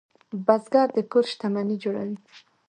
بزګر د کور شتمني جوړوي